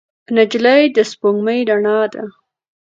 نجلۍ د سپوږمۍ رڼا ده.